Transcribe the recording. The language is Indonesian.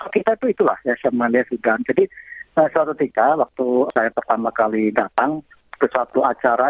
kita membahas jadwal waktu itu ada lomba layar